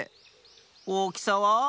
おおきさは？